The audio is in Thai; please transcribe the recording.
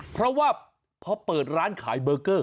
เพราะว่าพอเปิดร้านขายเบอร์เกอร์